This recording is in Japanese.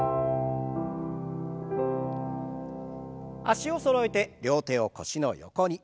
脚をそろえて両手を腰の横に。